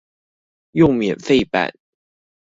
用免費版